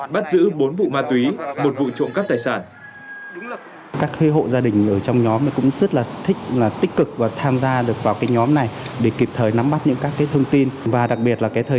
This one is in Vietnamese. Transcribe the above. bắt giữ bốn vụ ma túy một vụ trộm cắp tài sản